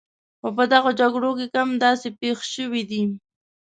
خو په دغو جګړو کې کم داسې پېښ شوي دي.